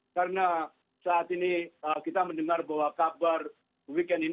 karena saat ini kita mendengar bahwa kabar weekend ini